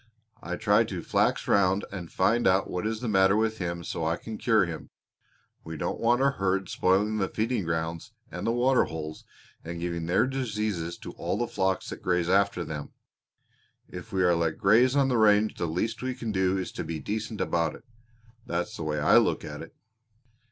"I try to flax round and find out what is the matter with him so I can cure him. We don't want our herd spoiling the feeding grounds and the water holes and giving their diseases to all the flocks that graze after them. If we are let graze on the range the least we can do is to be decent about it that's the way I look at it."